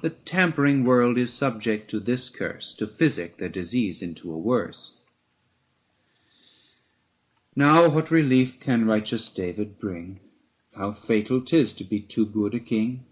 The tampering world is subject to this curse, To physic their disease into a worse. 810 Now what relief can righteous David bring ? How fatal 'tis to be too good a king